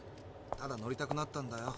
ただ乗りたくなったんだよ。